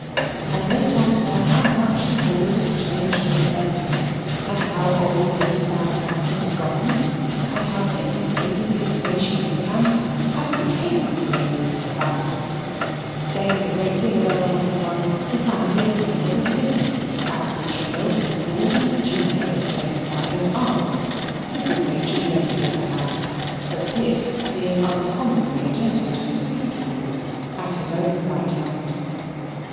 And they told her how much the Hall was changed for the better, and how old Lady Southdown was gone, and how Pitt was taking his station in the county, as became a Crawley in fact. Then the great dinner bell having rung, the family assembled at dinner, at which meal Rawdon Junior was placed by his aunt, the good natured lady of the house, Sir Pitt being uncommonly attentive to his sister in law at his own right hand.